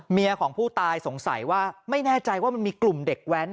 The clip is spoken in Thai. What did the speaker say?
ของผู้ตายสงสัยว่าไม่แน่ใจว่ามันมีกลุ่มเด็กแว้น